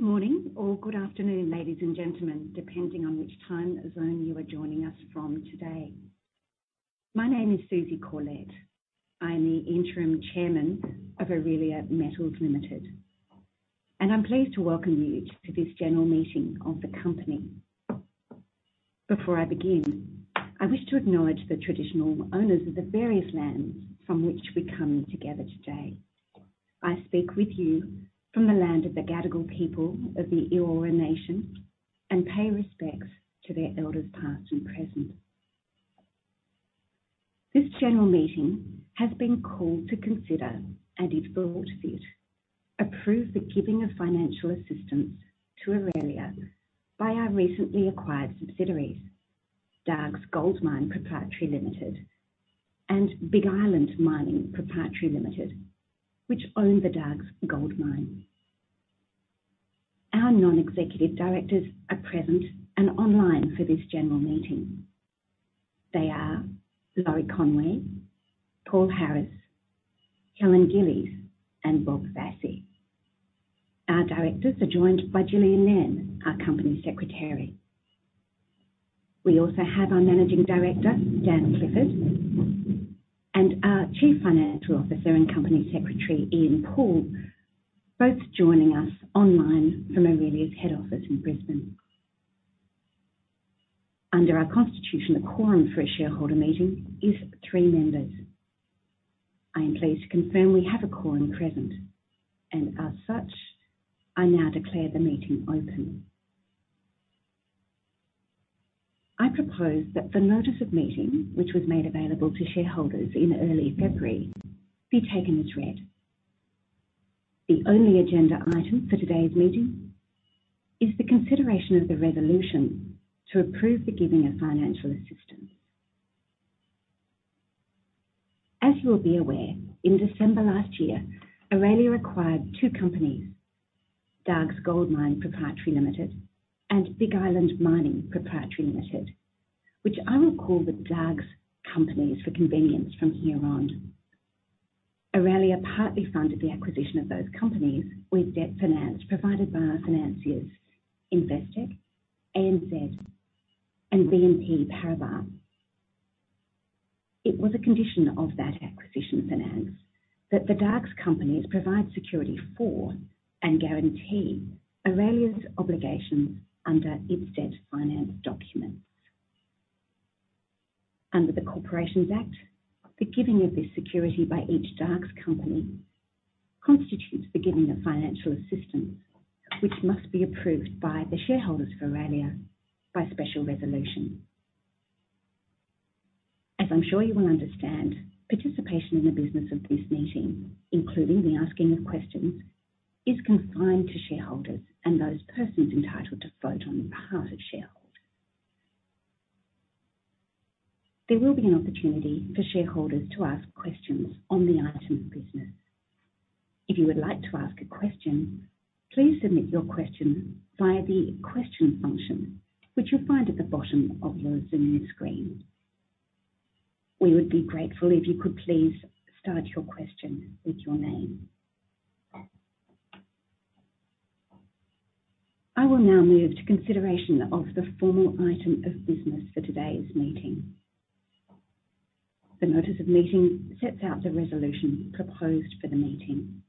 Good morning or good afternoon, ladies and gentlemen, depending on which time zone you are joining us from today. My name is Susie Corlett. I'm the Interim Chairman of Aurelia Metals Limited, and I'm pleased to welcome you to this general meeting of the company. Before I begin, I wish to acknowledge the traditional owners of the various lands from which we come together today. I speak with you from the land of the Gadigal people of the Eora nation and pay respects to their elders, past and present. This general meeting has been called to consider, and if thought fit, approve the giving of financial assistance to Aurelia by our recently acquired subsidiaries, Dargues Gold Mine Pty Ltd and Big Island Mining Pty Ltd, which own the Dargues Gold Mine. Our non-executive directors are present and online for this general meeting. They are Lawrie Conway, Paul Harris, Helen Gillies, and Rob Vassie. Our directors are joined by Gillian Nairn, our Company Secretary. We also have our Managing Director, Dan Clifford, and our Chief Financial Officer and Company Secretary, Ian Poole, both joining us online from Aurelia's head office in Brisbane. Under our constitution, a quorum for a shareholder meeting is three members. I am pleased to confirm we have a quorum present, and as such, I now declare the meeting open. I propose that the notice of meeting, which was made available to shareholders in early February, be taken as read. The only agenda item for today's meeting is the consideration of the resolution to approve the giving of financial assistance. As you will be aware, in December last year, Aurelia acquired two companies, Dargues Gold Mine Pty Ltd and Big Island Mining Pty Ltd, which I will call the Dargues companies for convenience from here on. Aurelia partly funded the acquisition of those companies with debt finance provided by our financiers, Investec, ANZ, and BNP Paribas. It was a condition of that acquisition finance that the Dargues companies provide security for and guarantee Aurelia's obligations under its debt finance documents. Under the Corporations Act, the giving of this security by each Dargues company constitutes the giving of financial assistance, which must be approved by the shareholders of Aurelia by special resolution. As I'm sure you will understand, participation in the business of this meeting, including the asking of questions, is confined to shareholders and those persons entitled to vote on behalf of shareholders. There will be an opportunity for shareholders to ask questions on the item of business. If you would like to ask a question, please submit your question via the question function, which you'll find at the bottom of your Zoom screen. We would be grateful if you could please start your question with your name. I will now move to consideration of the formal item of business for today's meeting. The notice of meeting sets out the resolution proposed for the meeting.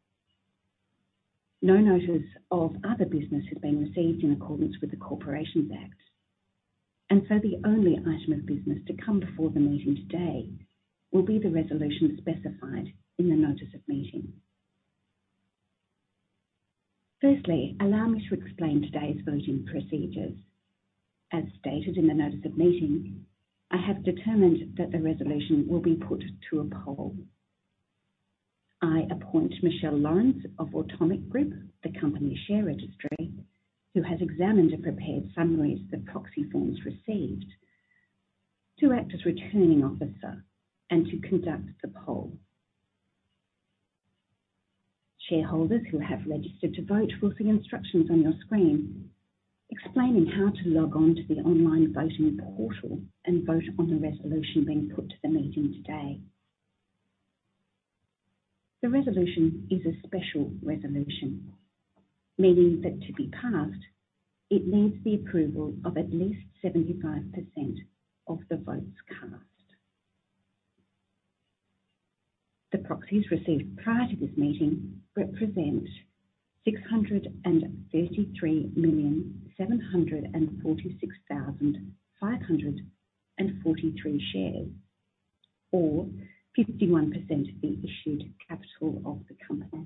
No notice of other business has been received in accordance with the Corporations Act, and so the only item of business to come before the meeting today will be the resolution specified in the notice of meeting. Firstly, allow me to explain today's voting procedures. As stated in the notice of meeting, I have determined that the resolution will be put to a poll. I appoint Michelle Lawrence of Automic Group, the company share registry, who has examined and prepared summaries of proxy forms received to act as Returning Officer and to conduct the poll. Shareholders who have registered to vote will see instructions on your screen explaining how to log on to the online voting portal and vote on the resolution being put to the meeting today. The resolution is a special resolution, meaning that to be passed, it needs the approval of at least 75% of the votes cast. The proxies received prior to this meeting represent 633,746,543 shares or 51% of the issued capital of the company.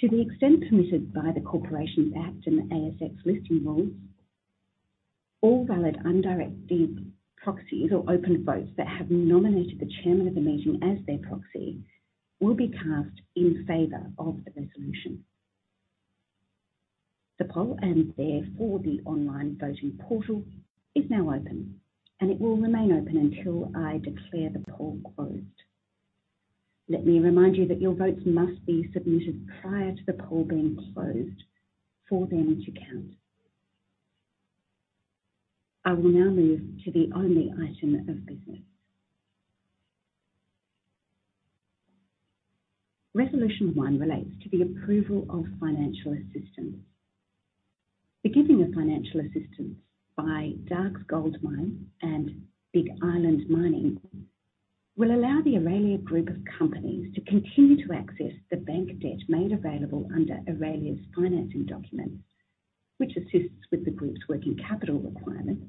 To the extent permitted by the Corporations Act and the ASX listing rules, all valid undirected proxies or open votes that have nominated the chairman of the meeting as their proxy will be cast in favor of the resolution. The poll, and therefore the online voting portal, is now open, and it will remain open until I declare the poll closed. Let me remind you that your votes must be submitted prior to the poll being closed for them to count. I will now move to the only item of business. Resolution one relates to the approval of financial assistance. The giving of financial assistance by Dargues Gold Mine and Big Island Mining will allow the Aurelia Group of companies to continue to access the bank debt made available under Aurelia's financing document, which assists with the group's working capital requirements,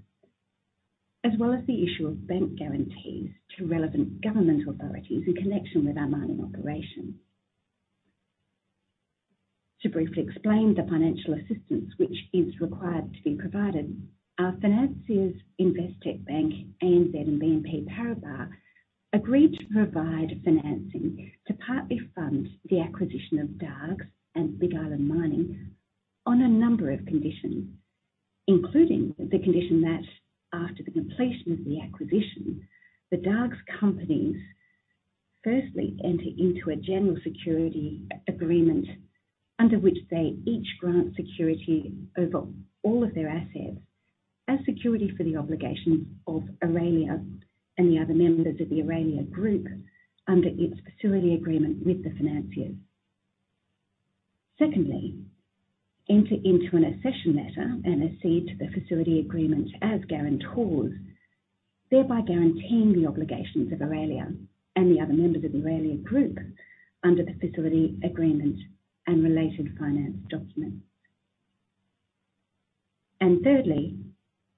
as well as the issue of bank guarantees to relevant government authorities in connection with our mining operations. To briefly explain the financial assistance which is required to be provided, our financiers, Investec Bank, ANZ and BNP Paribas, agreed to provide financing to partly fund the acquisition of Dargues and Big Island Mining on a number of conditions, including the condition that after the completion of the acquisition, the Dargues companies firstly enter into a general security agreement under which they each grant security over all of their assets as security for the obligations of Aurelia and the other members of the Aurelia Group under its facility agreement with the financiers. Secondly, enter into an accession letter and accede to the facility agreement as guarantors, thereby guaranteeing the obligations of Aurelia and the other members of the Aurelia Group under the facility agreement and related finance documents. Thirdly,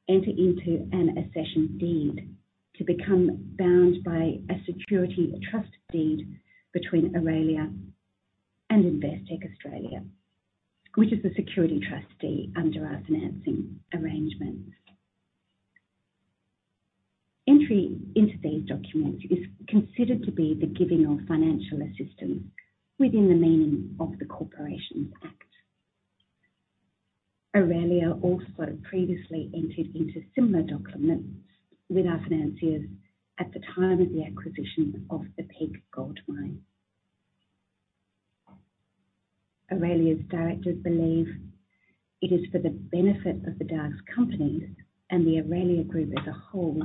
enter into an accession deed to become bound by a security trust deed between Aurelia and Investec Australia, which is the security trustee under our financing arrangements. Entry into these documents is considered to be the giving of financial assistance within the meaning of the Corporations Act. Aurelia also previously entered into similar documents with our financiers at the time of the acquisition of the Peak Gold Mine. Aurelia's directors believe it is for the benefit of the Dargues companies and the Aurelia Group as a whole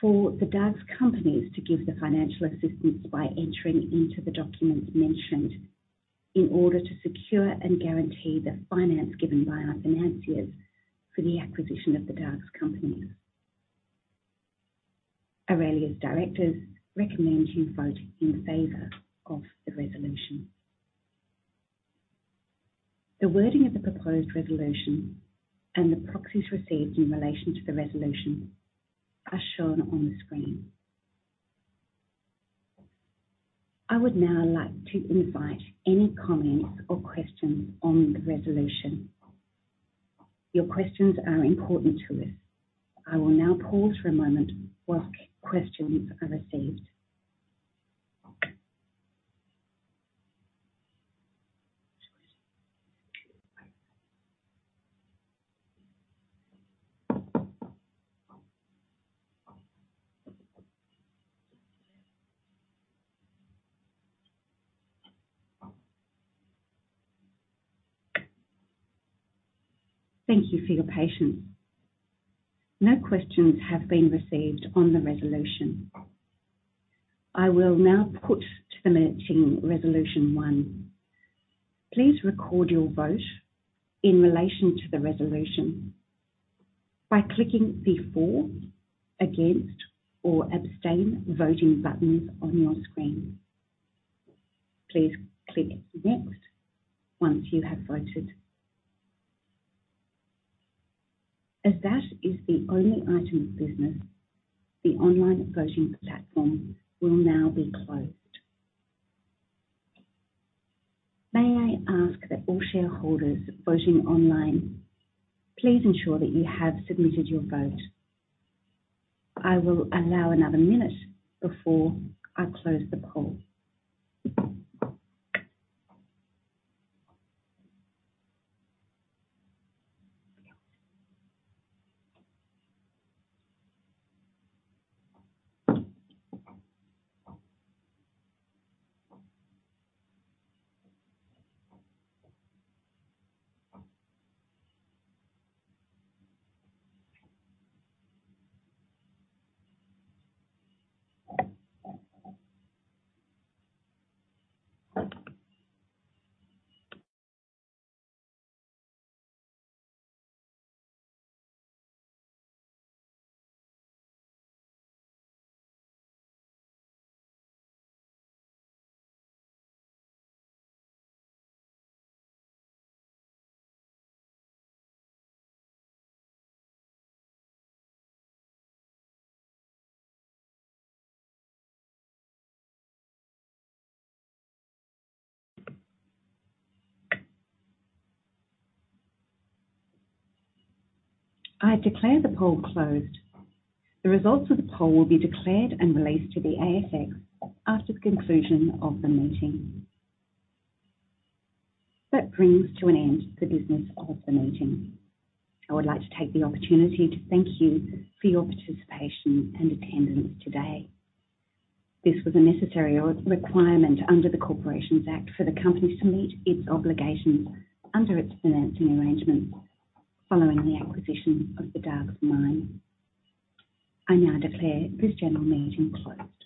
for the Dargues companies to give the financial assistance by entering into the documents mentioned in order to secure and guarantee the finance given by our financiers for the acquisition of the Dargues companies. Aurelia's directors recommend you vote in favor of the resolution. The wording of the proposed resolution and the proxies received in relation to the resolution are shown on the screen. I would now like to invite any comments or questions on the resolution. Your questions are important to us. I will now pause for a moment while questions are received. Thank you for your patience. No questions have been received on the resolution. I will now put to the meeting resolution one. Please record your vote in relation to the resolution by clicking the For, Against, or Abstain voting buttons on your screen. Please click Next once you have voted. As that is the only item of business, the online voting platform will now be closed. May I ask that all shareholders voting online, please ensure that you have submitted your vote. I will allow another minute before I close the poll. I declare the poll closed. The results of the poll will be declared and released to the ASX after the conclusion of the meeting. That brings to an end the business of the meeting. I would like to take the opportunity to thank you for your participation and attendance today. This was a necessary requirement under the Corporations Act for the company to meet its obligations under its financing arrangements following the acquisition of the Dargues mine. I now declare this general meeting closed.